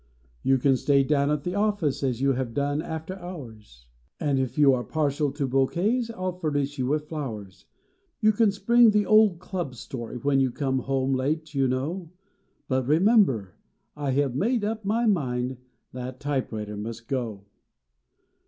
"You can stay down at the office, as you have done, after hours; And, if you are partial to bouquets, I ll furnish you with flowers. You can spring the old club story when you come home late, you know, But, remember, I ve made up my mind that typewriter must go.